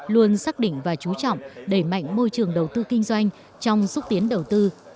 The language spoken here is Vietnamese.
luôn xác định và chú trọng đẩy mạnh môi trường đầu tư kinh doanh trong xúc tiến đầu tư